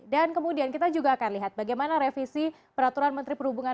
dan kemudian kita juga akan lihat bagaimana revisi peraturan menteri perhubungan